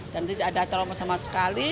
dan tidak ada trauma sama sekali